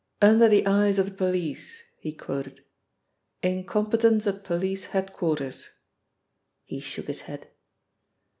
"Under the eyes of the police," he quoted. "Incompetence at Police Head quarters." He shook his head.